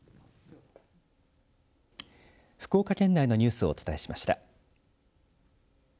福岡県内のニュースをお伝えしました。